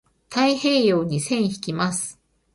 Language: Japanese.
太平洋に線引きます。